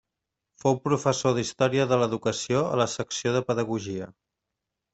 Fou professor d'Història de l'Educació a la secció de Pedagogia.